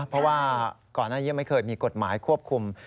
เพราะว่าก่อนหน้านี้ไม่เคยมีกฎหมายควบคุม